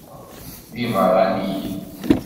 D ibeṛṛaniyen.